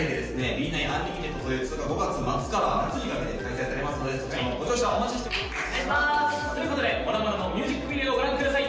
「Ｂ９Ｕｎｌｉｍｉｔｅｄ」というツアーが５月末から夏にかけて開催されますのでそちらもご乗車お待ちしておりますということで「ＭＯＲＡＭＯＲＡ」のミュージックビデオをご覧ください